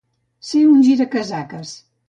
Ser un giracasaques.